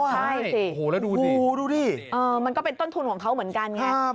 ใช่สิโอ้โหแล้วดูดิมันก็เป็นต้นทุนของเขาเหมือนกันไง